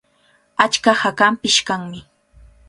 Achka hakanpish kanmi.